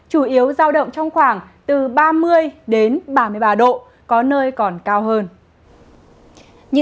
chủ yếu giao động trong khoảng từ ba mươi đến ba mươi ba độ có nơi còn cao hơn